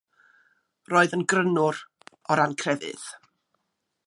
Roedd yn Grynwr, o ran crefydd.